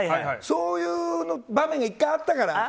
そういう場面が１回あったから。